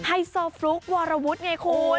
ไฮโซฟลุ๊กวารวุฒิไงคุณ